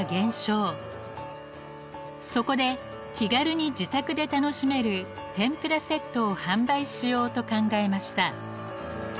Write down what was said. そこで気軽に自宅で楽しめる天ぷらセットを販売しようと考えました。